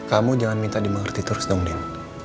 kamu jangan minta dia mengerti terus dong din